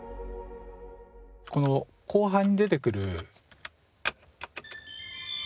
この後半に出てくる。